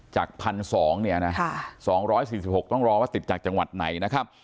จาก๑๒๐๐เนี่ยนะ๒๔๖ต้องรอว่าติดจากจังหวัดไหนนะครับ